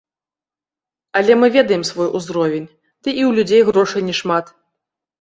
Але мы ведаем свой узровень, ды і ў людзей грошай не шмат.